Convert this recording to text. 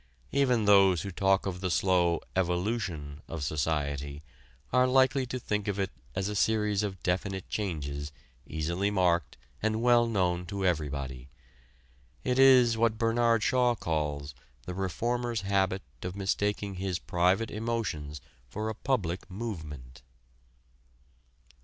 Even those who talk of the slow "evolution" of society are likely to think of it as a series of definite changes easily marked and well known to everybody. It is what Bernard Shaw calls the reformer's habit of mistaking his private emotions for a public movement.